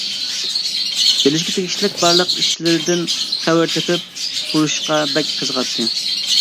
بىلىشكە تېگىشلىك بارلىق ئىشلىرىدىن خەۋەر تېپىپ تۇرۇشقا بەك قىزىقاتتى.